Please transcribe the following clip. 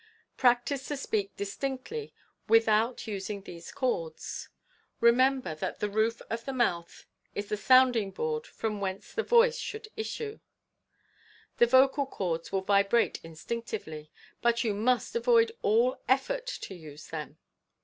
Practice to speak distinctly without using these chords. Remember that the roof of the mouth is the sounding board from whence the voice should issue. The vocal chords will vibrate instinctively, but you must avoid all effort to use them.